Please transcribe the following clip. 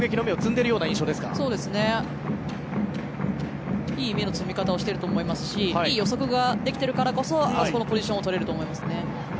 いい芽の摘み方をしていると思いますしいい予測ができているからこそあそこのポジションを取れると思いますね。